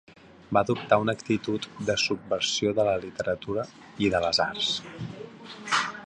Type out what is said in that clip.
Va adoptar una actitud de subversió de la literatura i de les arts.